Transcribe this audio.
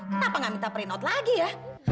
kenapa nggak minta print off lagi ya